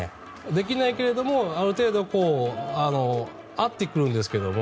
できないけれどもある程度合ってくるんですけども